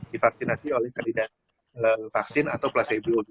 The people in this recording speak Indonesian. divaksinasi oleh kandidat vaksin atau placebo